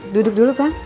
duduk dulu bang